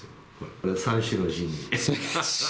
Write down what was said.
これ、三種の神器。